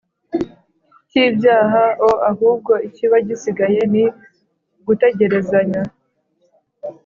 cy ibyaha o Ahubwo ikiba gisigaye ni ugutegerezanya